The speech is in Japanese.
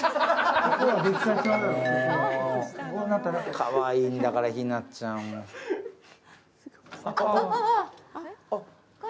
かわいいんだから、ひなちゃん。